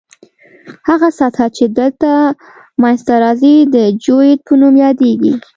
هغه سطح چې دلته منځ ته راځي د جیوئید په نوم یادیږي